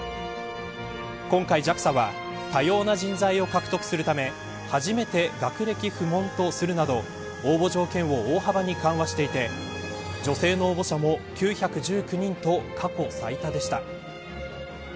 今回ＪＡＸＡは多様な人材を獲得するため初めて学歴不問とするなど応募条件を大幅に緩和していて女性の応募者も９１９人と過去最多でした。